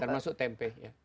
termasuk tempe ya